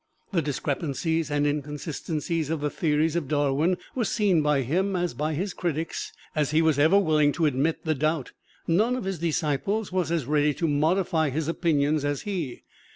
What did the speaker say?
The discrepancies and inconsistencies of the theories of Darwin were seen by him as by his critics, and he was ever willing to admit the doubt. None of his disciples was as ready to modify his opinions as he.